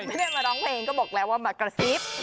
ไม่ได้มาร้องเพลงก็บอกแล้วว่ามากระซิบ